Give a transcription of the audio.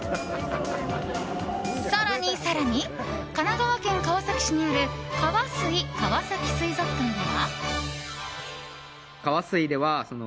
更に、更に神奈川県川崎市にあるカワスイ川崎水族館では。